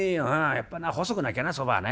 やっぱな細くなきゃなそばはね。